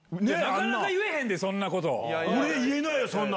なかなか言えへんで、そんな俺言えないよ、そんな。